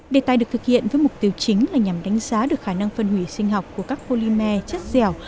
đề tài được thực hiện với mục tiêu chính là nhằm đánh giá được khả năng phân hủy sinh học của các polymer chất dẻo